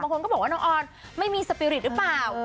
คนก็บอกว่าน้องออนไม่มีสปีริตหรือเปล่า